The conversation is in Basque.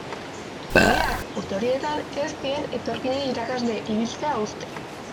Legeak, urte horietan, ez zien etorkinei irakasle ibiltzea uzten.